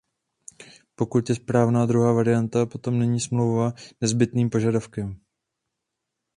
Pokud je správná druhá varianta, potom není smlouva nezbytným požadavkem.